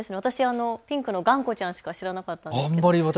私、ピンクのがんこちゃんしか知らなかったです。